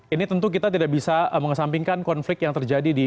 ini tentu kita tidak bisa mengesampingkan konflik yang terjadi di